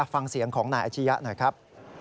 ฟังเสียงของนายอาชียะหน่อยครับ